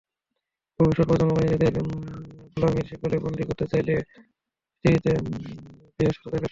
ভবিষ্যৎ প্রজন্মকে নিজেদের গোলামীর শিকলে বন্দি করতে চাইলে অ-ইহুদীদেরকে পৃথিবীতেই বেহেশত দেখাতে হবে।